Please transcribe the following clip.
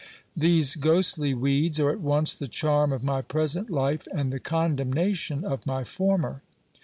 These ghostly weeds are at once the charm of my present life, and the condemnation of my former.